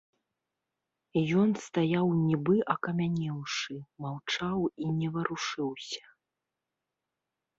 Ён стаяў нібы акамянеўшы, маўчаў і не варушыўся.